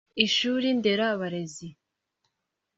Ishuri nderabarezi